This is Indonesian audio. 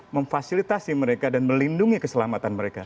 memfasilitasi mereka dan melindungi keselamatan mereka